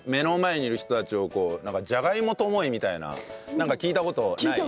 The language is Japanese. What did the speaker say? なんか聞いた事ない？